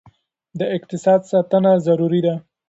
د اقتصاد ساتنه ضروري ده.